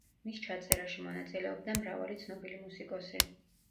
მის ჩაწერაში მონაწილეობდა მრავალი ცნობილი მუსიკოსი.